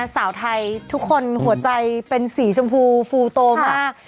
สาวไทยทุกคนหัวใจเป็นสีชมพูฟูโตมาก